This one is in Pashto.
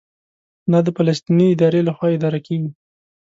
دا د فلسطیني ادارې لخوا اداره کېږي.